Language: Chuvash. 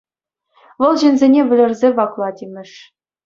Вӑл ҫынсене вӗлерсе ваклать имӗш.